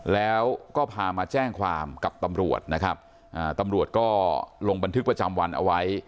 แล้วก็พามาแจ้งความกับตำรวจนะครับตำรวจก็ลงบันทึกประจำวันเอาไว้